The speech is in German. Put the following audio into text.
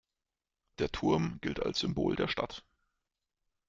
Der Turm gilt als Symbol der Stadt.